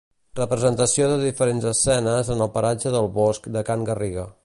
Representació de diferents escenes en el Paratge del Bosc de can Garriga.